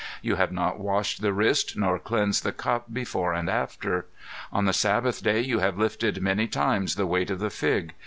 You have not washed the wrist nor cleansed the cup before and after. On the Sabbath day you have lifted many times the weight of the fig.